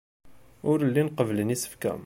Ur llin qebblen isefka.